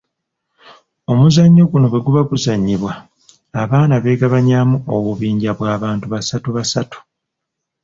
"Omuzannyo guno bwe guba guzannyibwa, abaana beegabanyaamu obubinja bw’abantu basatu basatu."